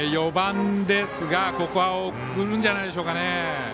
４番ですがここは送るんじゃないでしょうか。